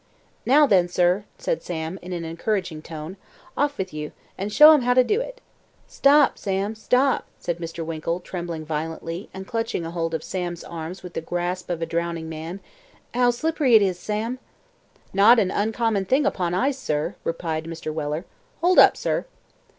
"Now, then, sir," said Sam in an encouraging tone; "off vith you, and show 'em how to do it." "Stop, Sam, stop," said Mr. Winkle, trembling violently, and clutching hold of Sam's arms with the grasp of a drowning man. "How slippery it is, Sam!" "Not an uncommon thing upon ice, sir," replied Mr. Weller. "Hold up, sir."